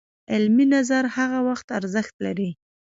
علمي نظر هغه وخت ارزښت لري